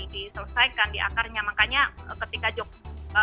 diselesaikan di akarnya makanya ketika jokowi